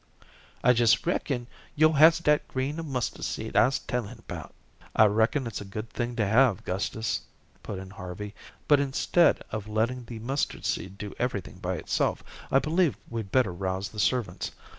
"I jes' reckon yo' has dat grain of mustard seed I'se tellin' 'bout." "I reckon it's a good thing to have, Gustus," put in Harvey. "But instead of letting the mustard seed do everything by itself, I believe we'd better rouse the servants.